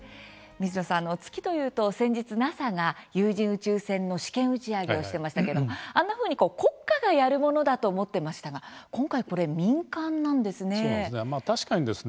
水野さん、月というと先日ＮＡＳＡが有人宇宙船の試験打ち上げをしてましたけれどもあんなふうに、国家がやるものだと思ってましたが今回これ、民間なんですね。